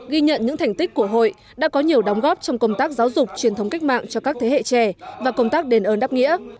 ghi nhận những thành tích của hội đã có nhiều đóng góp trong công tác giáo dục truyền thống cách mạng cho các thế hệ trẻ và công tác đền ơn đáp nghĩa